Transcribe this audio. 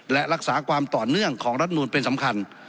และรักษาความต่อเนื่องของรัฐมนูลเป็นสำคัญ